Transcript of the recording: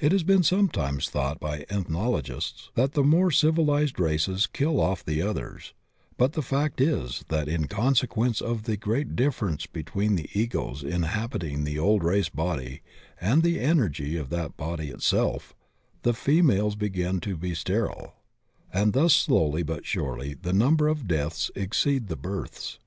It has been sometimes thought by ethnologists that the more civil ized races kill off the others, but the fact is that in consequence of the great difference between the Egos inhabiting the old race body and the energy of that body itself, the females begin to be sterile, and thus slowly but surely the number of deaths exceed the births.